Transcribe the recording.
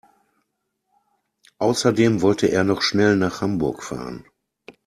Außerdem wollte er noch schnell nach Hamburg fahren